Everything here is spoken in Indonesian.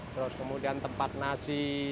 terus kemudian tempat nasi